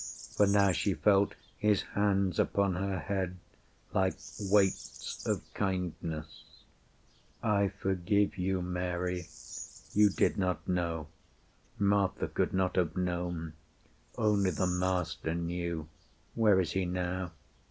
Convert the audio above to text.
For now she felt his hands upon her head, Like weights of kindness: "I forgive you, Mary. ... You did not know Martha could not have known Only the Master knew. ... Where is He now?